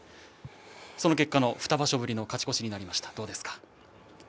その結果２場所ぶりの勝ち越しになりました。